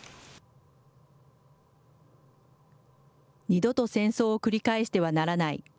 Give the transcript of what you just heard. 二度と戦争を繰り返してはならない。